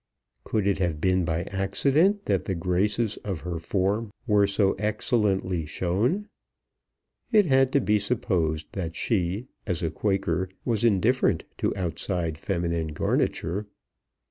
Could it have been by accident that the graces of her form were so excellently shown? It had to be supposed that she, as a Quaker, was indifferent to outside feminine garniture.